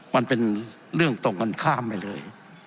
มันเป็นเรื่องตรงกันข้ามไปเลย